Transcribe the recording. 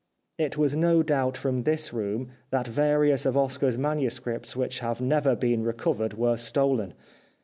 " It was no doubt from this room that various of Oscar's manuscripts which have never been recovered were stolen.